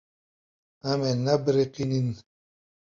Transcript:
Em ê nebiriqînin.